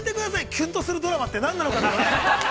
きゅんとするドラマって何なのかな。